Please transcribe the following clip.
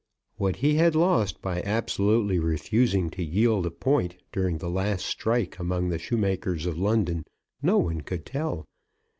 What he had lost by absolutely refusing to yield a point during the last strike among the shoemakers of London no one could tell.